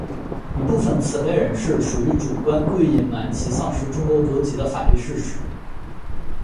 一部分此类人士属于主观故意隐瞒其丧失中国国籍的法律事实。